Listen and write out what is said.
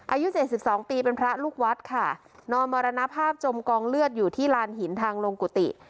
อายุเจ็ดสิบสองปีเป็นพระลูกวัดค่ะนอนมรณภาพจมกองเลือดอยู่ที่ลานหินทางลงกุฏิ